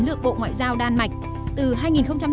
quay trở về quốc gia